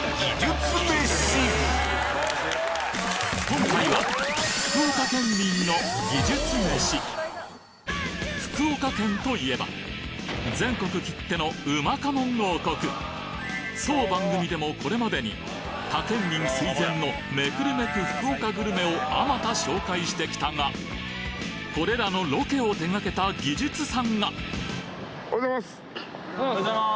今回は福岡県民の技術めし全国きってのうまかもん王国当番組でもこれまでに他県民垂涎のめくるめく福岡グルメをあまた紹介してきたがこれらのロケを手掛けた技術さんがおはようございます。